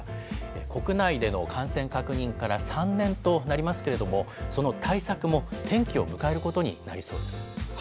国内での感染確認から３年となりますけれども、その対策も転機を迎えることになりそうです。